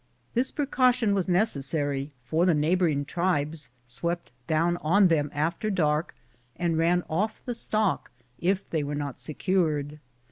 This precaution was necessary, for the neighbor ing tribes swept down on them after dark and ran off the stock if they were not secured.